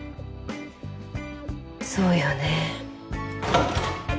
そうよね。